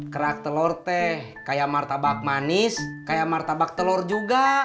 kerak telur teh kayak martabak manis kayak martabak telur juga